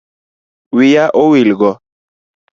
Wiya owil go